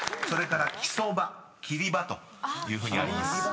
［それから「生蕎麦」「切場」というふうにあります］